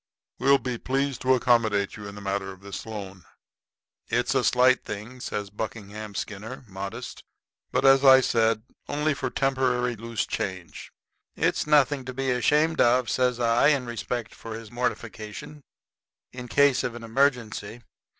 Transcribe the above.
We'll be pleased to accommodate you in the matter of this loan.' "It's a slight thing," says Buckingham Skinner, modest, "but, as I said, only for temporary loose change." "It's nothing to be ashamed of," says I, in respect for his mortification; "in case of an emergency.